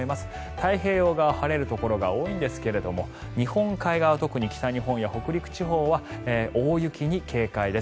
太平洋側、晴れるところが多いんですけれども日本海側は特に北日本や北陸地方は大雪に警戒です。